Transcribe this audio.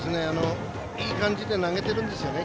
いい感じで投げているんですよね。